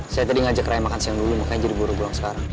saya tadi ngajak raya makan siang dulu makanya jadi buru burung sekarang